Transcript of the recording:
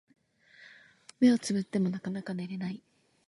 目をつぶってもなかなか眠れない